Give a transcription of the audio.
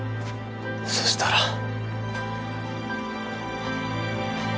そしたら。